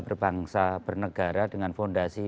berbangsa bernegara dengan fondasi